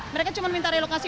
mereka cuma minta relokasi